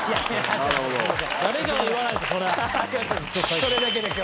それだけで今日。